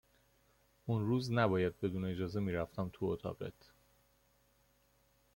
اون روز نباید بدون اجاره می رفتم تو اتاقت